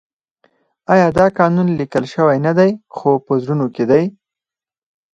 آیا دا قانون لیکل شوی نه دی خو په زړونو کې دی؟